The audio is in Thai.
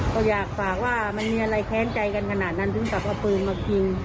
ก็อยากฝากว่ามันมีอะไรแค้นใจกันขนาดนั้นถึงกับเอาปืนมายิง